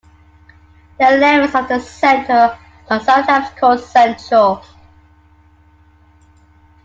The elements of the center are sometimes called central.